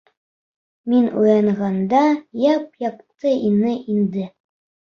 Мин уянғанда яп-яҡты ине инде.